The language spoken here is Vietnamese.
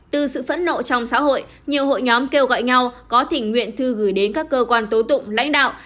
từ sự phẫn nộ trong xã hội nhiều hội nhóm kêu gọi nhau có thể nguyện thư gửi đến các cơ quan tố tụng lãnh đạo